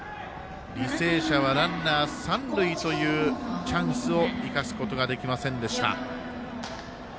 履正社はランナー、三塁というチャンスを生かすことができませんでした。